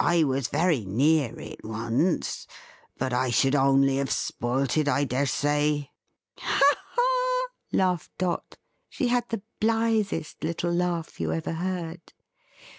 "I was very near it once. But I should only have spoilt it, I dare say." "Ha ha!" laughed Dot. She had the blithest little laugh you ever heard.